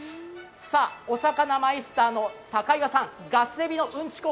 おさかなマイスターの高岩さんガスエビのうんちく